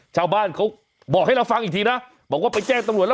ชาวบ้านเขาบอกให้เราฟังอีกทีนะบอกว่าไปแจ้งตำรวจแล้ว